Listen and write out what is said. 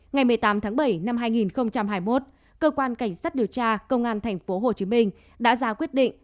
ngày một mươi tám tháng bảy năm hai nghìn hai mươi một cơ quan cảnh sát điều tra công an tp hcm đã ra quyết định